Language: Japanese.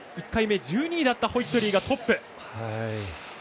１回目１２位だったホイットリーがトップ。